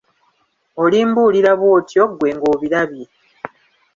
Olimbuulira bw'otyo ggwe ng'obirabye.